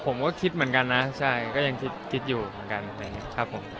จริงมันก็ผมก็คิดเหมือนกันนะก็ยังคิดอยู่เหมือนกันนะครับผม